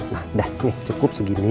nah dah nih cukup segini